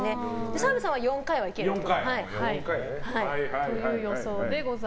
澤部さんは４回はいけると思う。